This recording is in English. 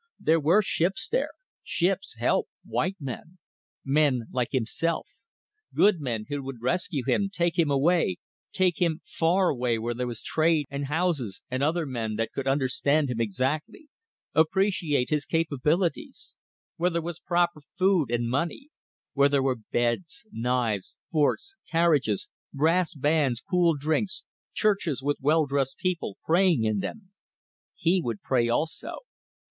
There were ships there ships, help, white men. Men like himself. Good men who would rescue him, take him away, take him far away where there was trade, and houses, and other men that could understand him exactly, appreciate his capabilities; where there was proper food, and money; where there were beds, knives, forks, carriages, brass bands, cool drinks, churches with well dressed people praying in them. He would pray also.